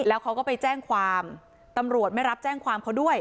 แล้วเขาก็ไปแจ้งความตำรวจไม่รับแจ้งความเขาด้วย